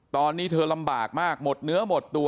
ตอนนี้เธอลำบากมากหมดเนื้อหมดตัว